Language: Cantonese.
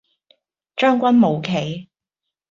將軍冇棋